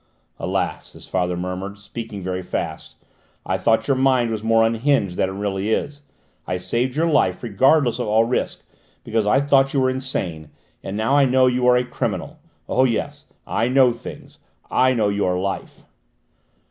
"Alas!" his father murmured, speaking very fast, "I thought your mind was more unhinged than it really is. I saved your life, regardless of all risk, because I thought you were insane, and now I know you are a criminal! Oh, yes, I know things, I know your life!"